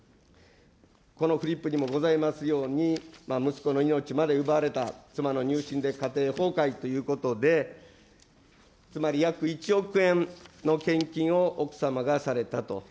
このフリップにもございますように、息子の命まで奪われた、妻の入信で家庭崩壊ということで、つまり約１億円の献金を奥様がされたと。